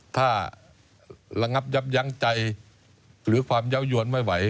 ถ้าระงับยับยั้งใจหรือความเยาวยวนไม่ไหว